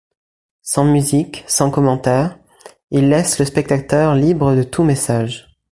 Sans musique, sans commentaire, il laisse le spectateur libre de tout message.